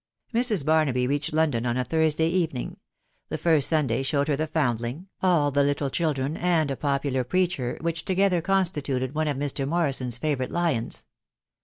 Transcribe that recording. Mrs. Barnaby reached London on a Thursday evening; the first Sunday showed her the Foundling, all the little children, and a popular preacher, which together constituted one of Mr. Morrison's favourite lions.